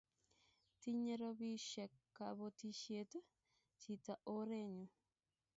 Tinye robishe kabotishe chita oree nyu.